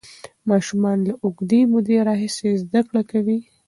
ماشومان له اوږدې مودې راهیسې زده کړه کوي.